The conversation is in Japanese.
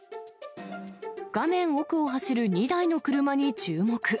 画面奥を走る２台の車に注目。